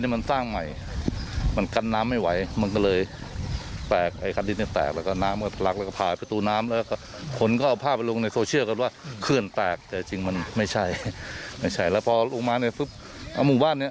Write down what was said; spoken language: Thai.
ไม่ใช่แล้วพอลุงมาไหนให้กลับอ๋อหมู่บ้าน